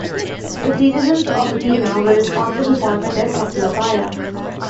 The citizens of Gina were responsible for the death of Labaya.